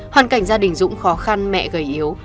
hoàn cảnh gia đình dũng khó khăn mẹ gầy yếu